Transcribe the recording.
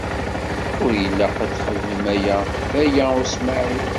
Ur ilaq ad texdem aya Baya U Smaɛil.